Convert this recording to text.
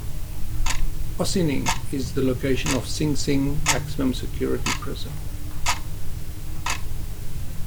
Ossining is the location of Sing Sing maximum-security prison.